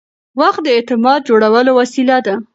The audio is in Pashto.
وخت د اعتماد جوړولو وسیله ده.